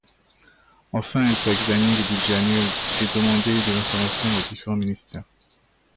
Enfin, elle peut examiner les budgets annuels et demander des informations aux différents ministères.